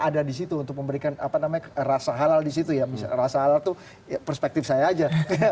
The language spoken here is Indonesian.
ada di situ untuk memberikan apa namanya rasa halal di situ ya rasa halal itu perspektif saya aja